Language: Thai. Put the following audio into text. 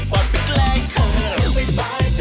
กล้ามทะเล